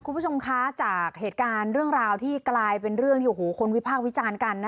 คุณผู้ชมคะจากเหตุการณ์เรื่องราวที่กลายเป็นเรื่องที่โอ้โหคนวิพากษ์วิจารณ์กัน